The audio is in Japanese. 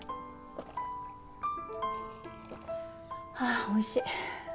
ああおいしい。